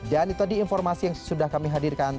dan itu tadi informasi yang sudah kami hadirkan